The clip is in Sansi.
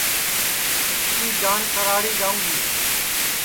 اُس کی جان سراھڑی جاوں گی